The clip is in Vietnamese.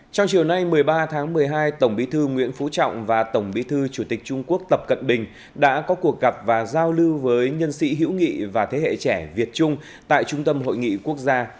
trong chiều nay một mươi ba tháng một mươi hai tổng bí thư nguyễn phú trọng và tổng bí thư chủ tịch trung quốc tập cận bình đã có cuộc gặp và giao lưu với nhân sĩ hữu nghị và thế hệ trẻ việt trung tại trung tâm hội nghị quốc gia